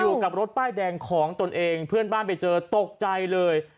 อยู่กับรถป้ายแดงของตนเองเพื่อนบ้านไปเจอตกใจเลย